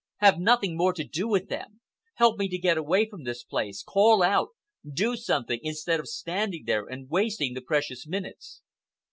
Have nothing more to do with them. Help me to get away from this place. Call out. Do something instead of standing there and wasting the precious minutes."